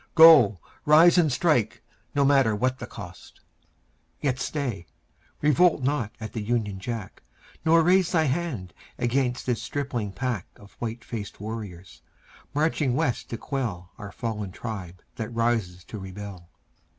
Go; rise and strike, no matter what the cost. Yet stay. Revolt not at the Union Jack, Nor raise Thy hand against this stripling pack Of white faced warriors, marching West to quell Our fallen tribe that rises to rebel.